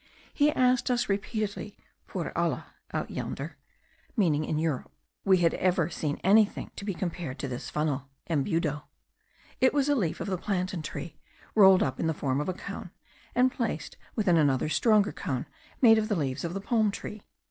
He asked us repeatedly if, por alla (out yonder, meaning in Europe) we had ever seen anything to be compared to this funnel (embudo). It was a leaf of the plantain tree rolled up in the form of a cone, and placed within another stronger cone made of the leaves of the palm tree.